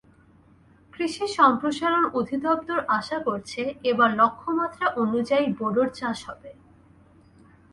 কৃষি সম্প্রসারণ অধিদপ্তর আশা করছে, এবার লক্ষ্যমাত্রা অনুযায়ী বোরোর চাষ হবে।